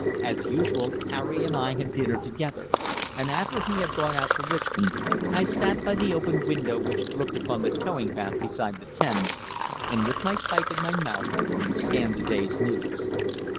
As usual Harry and I had dinner together, and after he had gone out to Richmond, I sat by the open window which looked upon the towing path beside the Thames, and with my pipe in my mouth, scanned the day's news.